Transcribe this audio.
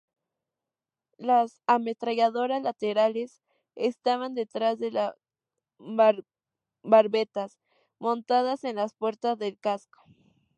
Las ametralladoras laterales estaban detrás de las barbetas, montadas en las puertas del casco.